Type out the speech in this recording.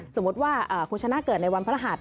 สมมุติว่าคุณชนะเกิดในวันพระหัส